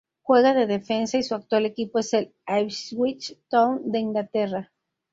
Juega de defensa y su actual equipo es el Ipswich Town de Inglaterra.